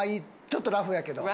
ちょっとラフやけど。